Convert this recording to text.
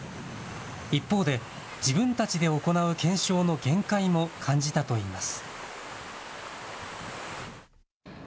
一方で自分たちで行う検証の限界も感じたといいます。